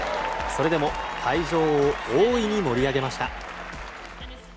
それでも会場を大いに盛り上げました。